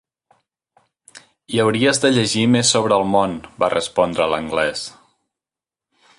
"I hauries de llegir més sobre el món" va respondre l'anglès.